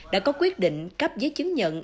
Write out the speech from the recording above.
đã có quyết định cắp giấy chứng nhận